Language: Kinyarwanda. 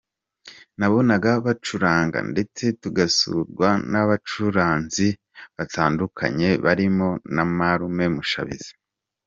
Nabonaga bacuranga ndetse tugasurwa n’abacuranzi batandukanye barimo na marume Mushabizi.